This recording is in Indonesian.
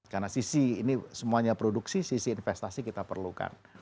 karena sisi ini semuanya produksi sisi investasi kita perlukan